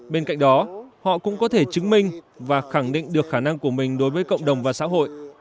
bên cạnh đó họ cũng có thể chứng minh và khẳng định được khả năng của mình đối với cộng đồng và xã hội